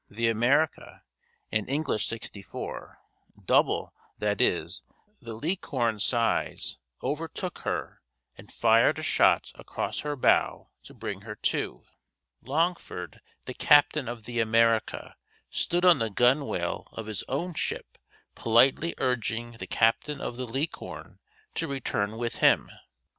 The America, an English 64 double, that is, the Licorne's size overtook her, and fired a shot across her bow to bring her to, Longford, the captain of the America, stood on the gunwale of his own ship politely urging the captain of the Licorne to return with him.